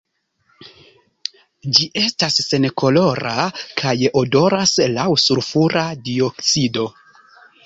Ĝi estas senkolora kaj odoras laŭ sulfura dioksido.